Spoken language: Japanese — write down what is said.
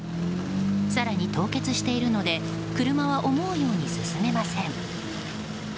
更に、凍結しているので車は思うように進めません。